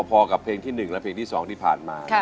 พอกับเพลงที่๑และเพลงที่๒ที่ผ่านมา